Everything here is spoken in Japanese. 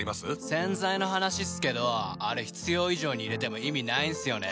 洗剤の話っすけどあれ必要以上に入れても意味ないんすよね。